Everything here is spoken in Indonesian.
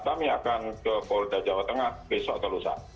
kami akan ke polda jawa tengah besok atau lusa